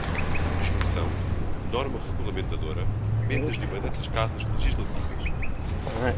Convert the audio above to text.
injunção, norma regulamentadora, mesas de uma dessas casas legislativas